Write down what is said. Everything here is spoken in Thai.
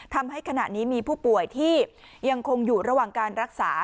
ทำให้ขณะนี้มีผู้ป่วยที่ยังคงอยู่ระหว่างการรักษา